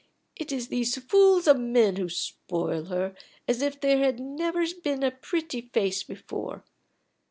It is these fools of men who spoil her, as if there had never been a pretty face before.